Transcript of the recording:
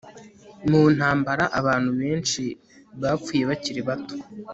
mu ntambara, abantu benshi bapfuye bakiri bato